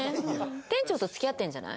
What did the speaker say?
店長と付き合ってるんじゃない？